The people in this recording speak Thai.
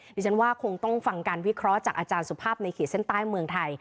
ดิฉันว่าคงต้องฟังการวิเคราะห์จากอาจารย์สุภาพในขีดเส้นใต้เมืองไทย